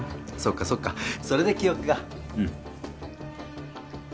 そっかそっかそれで記憶がうん